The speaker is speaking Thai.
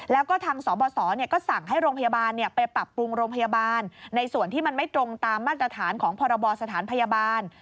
แล้วก็ทางสบสก็สั่งให้โรงพยาบาลไปปรับปรุงโรงพยาบาลในส่วนที่มันไม่ตรงตามมาตรฐานของพรบสถานพยาบาล